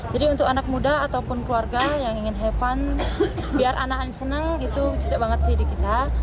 jadi untuk anak muda ataupun keluarga yang ingin have fun biar anakannya senang itu cocok banget sih di kita